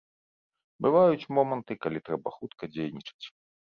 Бываюць моманты, калі трэба хутка дзейнічаць.